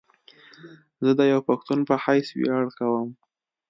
زه ديوه پښتون په حيث وياړ کوم